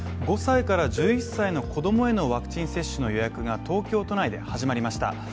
５歳から１１歳の子供へのワクチン接種の予約が東京都内で始まりました。